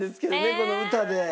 この歌で。